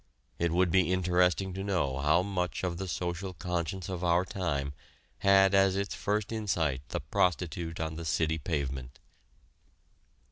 It would be interesting to know how much of the social conscience of our time had as its first insight the prostitute on the city pavement.